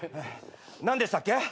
何でしたっけ？